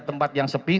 tempat yang sepi